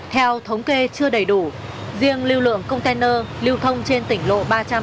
theo thống kê chưa đầy đủ riêng lưu lượng container lưu thông trên tỉnh lộ ba trăm bốn mươi